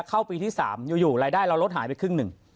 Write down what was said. เข้าปีที่๓อยู่รายได้เราลดหายไปครึ่งหนึ่ง